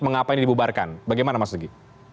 mengapa ini dibubarkan bagaimana mas nugi